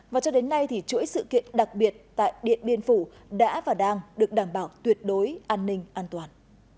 và cho đến nay thì chuỗi sự kiện đặc biệt tại điện biên phủ đã và đang được đảm bảo tuyệt đối an ninh an toàn